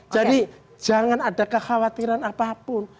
jadi jangan ada kekhawatiran apapun